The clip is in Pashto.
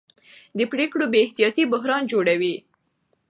د پرېکړو بې احتیاطي بحران جوړوي